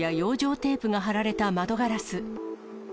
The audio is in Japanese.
テープが貼られた窓ガラス。